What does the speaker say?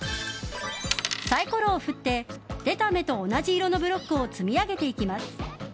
サイコロを振って出た目と同じ色のブロックを積み上げていきます。